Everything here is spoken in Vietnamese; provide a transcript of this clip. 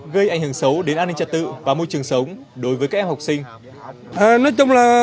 gây ảnh hưởng xấu đến an ninh trật tự và môi trường sống đối với các em học sinh